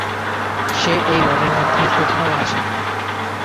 সে এই বনের মধ্যেই কোথাও আছে।